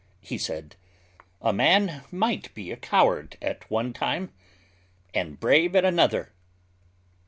He said, "A man might be a coward at one time, and brave at another.